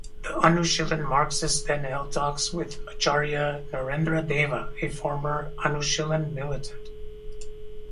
The Anushilan marxists then held talks with Acharya Narendra Deva, a former Anushilan militant.